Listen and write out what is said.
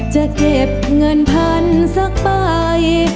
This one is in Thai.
จะเก็บเงินพันสักไป